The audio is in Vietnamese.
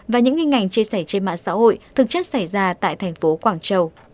và những nghi ngành chia sẻ trên mạng xã hội thực chất xảy ra tại thành phố quảng châu